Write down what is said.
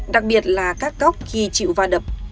đặc biệt là các góc khi chịu va đập